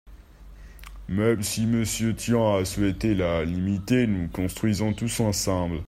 Même si Monsieur Tian a souhaité la limiter, nous construisons tous ensemble.